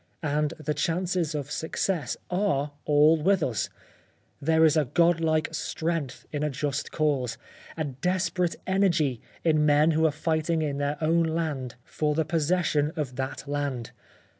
And the chances of success are all with us. There is a God like strength in a just cause — a desperate energy in men who are fighting in their own land for the possession 57 The Life of Oscar Wilde of that land.